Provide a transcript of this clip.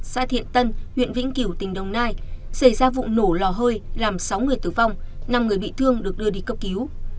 xã thiện tân huyện vĩnh kiểu tỉnh đồng nai xảy ra vụ nổ lò hơi làm sáu người tử vong năm người bị thương được đưa đi cấp cứu